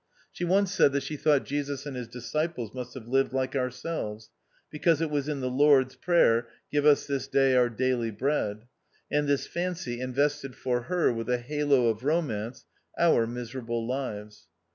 She once said that she thought Jesus and his disciples must have lived like ourselves, because it was in the Lord's Prayer, " Give us this day our daily bread ;" and this fancy invested for her with a halo of romance our miserable lives.